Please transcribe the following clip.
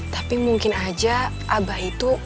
tapi mungkin aja abah itu